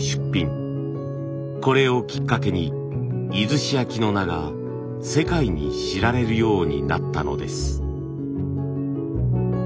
これをきっかけに出石焼の名が世界に知られるようになったのです。